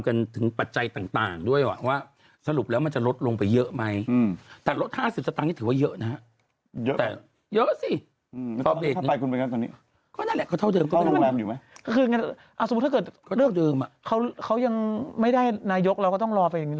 เขาเปิดเผยถึงข้อเรียกร้อง